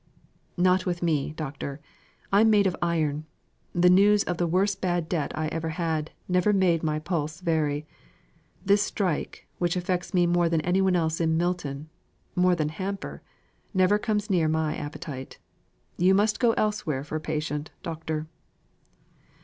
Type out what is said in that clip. "Not with me, Doctor. I'm made of iron. The news of the very worst bad debt I ever had, never made my pulse vary. This strike, which affects me more than any one else in Milton, more than Hamper, never comes near my appetite. You must go elsewhere for a patient, Doctor."